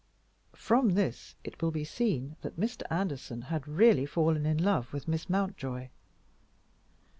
From this it will be seen that Mr. Anderson had really fallen in love with Miss Mountjoy.